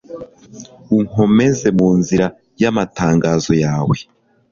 Unkomeze mu nzira y’amatangazo yawe